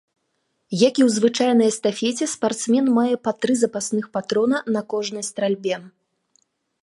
Як і ў звычайнай эстафеце спартсмен мае па тры запасных патрона на кожнай стральбе.